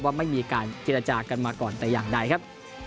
ไม่มีการเจรจากันมาก่อนแต่อย่างใดครับ